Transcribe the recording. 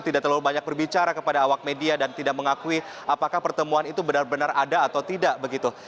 tidak terlalu banyak berbicara kepada awak media dan tidak mengakui apakah pertemuan itu benar benar ada atau tidak begitu